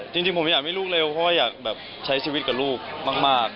จริงผมอยากให้ลูกเร็วเพราะว่าอยากแบบใช้ชีวิตกับลูกมาก